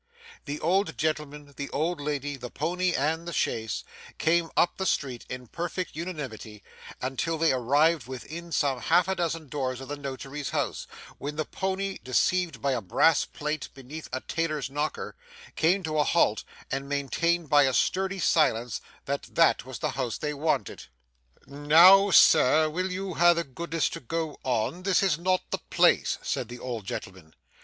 The old gentleman, the old lady, the pony, and the chaise, came up the street in perfect unanimity, until they arrived within some half a dozen doors of the Notary's house, when the pony, deceived by a brass plate beneath a tailor's knocker, came to a halt, and maintained by a sturdy silence, that that was the house they wanted. 'Now, Sir, will you ha' the goodness to go on; this is not the place,' said the old gentleman.